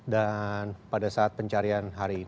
dan pada saat pencarian hari ini